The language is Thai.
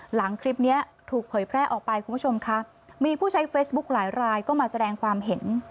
หลังคลิปเนี้ยถูกเผยแพร่ออกไปคุณผู้ชมค่ะมีผู้ใช้เฟซบุ๊คหลายรายก็มาแสดงความเห็น